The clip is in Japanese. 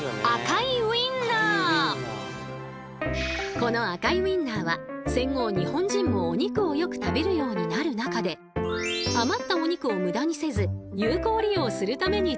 この赤いウインナーは戦後日本人もお肉をよく食べるようになる中であまったお肉を無駄にせず有効利用するために誕生。